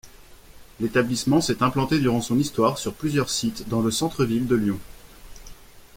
L'établissement s'est implanté durant son histoire sur plusieurs sites, dans le centre-ville de Lyon.